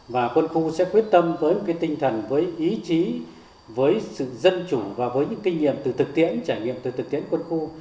và quân khu sẽ quyết tâm với cái tinh thần với ý chí với sự dân chủ và với những kinh nghiệm từ thực tiễn trải nghiệm từ thực tiễn quân khu